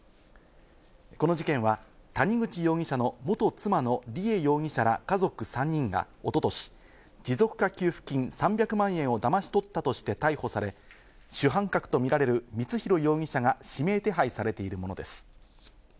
この事件は、谷口容疑者の元妻の梨恵容疑者ら家族３人が、一昨年持続化給付金３００万円をだまし取ったとして逮捕され、主犯格とみられる光弘容疑者が指名手配されているものです。